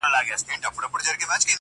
• چي ملا شکرانه واخلي تأثیر ولاړ سي -